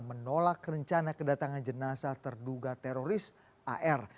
menolak rencana kedatangan jenazah terduga teroris ar